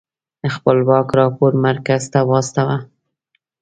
خپلواک راپور مرکز ته واستوه.